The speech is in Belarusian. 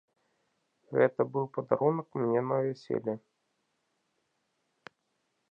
Гэта быў падарунак мне на вяселле.